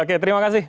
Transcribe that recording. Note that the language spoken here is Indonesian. oke terima kasih